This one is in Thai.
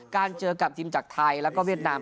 การเจอกับทิมจากไทยและเวียดนาม